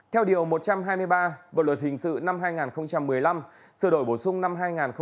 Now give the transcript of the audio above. theo điều một trăm hai mươi ba bộ luật hình sự năm hai nghìn một mươi năm sửa đổi bổ sung năm hai nghìn một mươi bảy